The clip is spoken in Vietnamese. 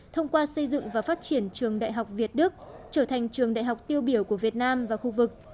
thông qua xây dựng và phát triển trường đại học việt đức trở thành trường đại học tiêu biểu của việt nam và khu vực